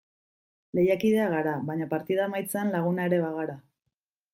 Lehiakideak gara baina partida amaitzean laguna ere bagara.